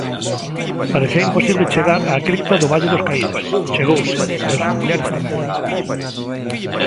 Parecía imposible chegar á cripta do Valle dos Caídos; chegouse, e os familiares tamén.